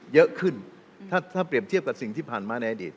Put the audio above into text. เยอะขึ้นถ้าเปรียบเทียบกับสิ่งที่ผ่านมาในอดีต